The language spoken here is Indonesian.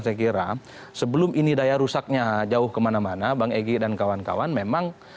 saya kira sebelum ini daya rusaknya jauh kemana mana bang egy dan kawan kawan memang